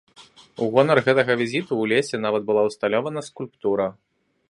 У гонар гэтага візіту ў лесе нават была ўсталяваная скульптура.